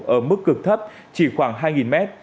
ở mức cực thấp chỉ khoảng hai mét